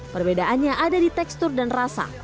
perbedaannya ada di tekstur dan rasa